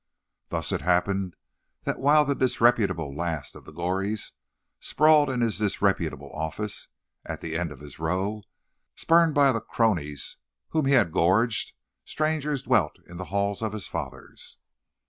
Thus it happened that while the disreputable last of the Gorees sprawled in his disreputable office, at the end of his row, spurned by the cronies whom he had gorged, strangers dwelt in the halls of his fathers.